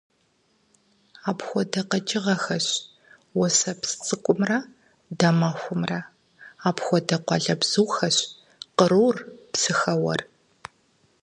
Апхуэдэ къэкӀыгъэхэщ уэсэпсцӀыкӀумрэ дамэхумрэ; апхуэдэ къуалэбзухэщ кърур, псыхэуэр.